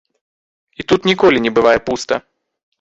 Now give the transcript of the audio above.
І тут ніколі не бывае пуста.